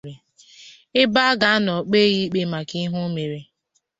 ebe a ga-anọ kpee ya ikpe maka ihe o mere.